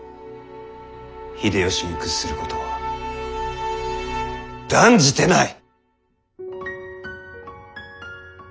秀吉に屈することは断じてない！